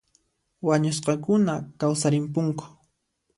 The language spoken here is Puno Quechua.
Wañusqakuna kawsarimpunku